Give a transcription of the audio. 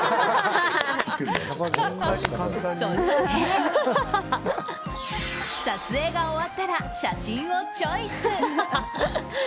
そして、撮影が終わったら写真をチョイス。